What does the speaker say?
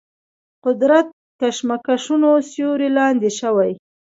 قدرت کشمکشونو سیوري لاندې شوي.